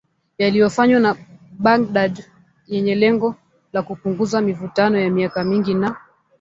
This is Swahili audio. yaliyofanywa na Baghdad yenye lengo la kupunguza mivutano ya miaka mingi na